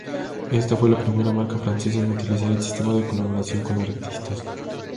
Esta fue la primera marca francesa en utilizar el sistema de colaboración con artistas.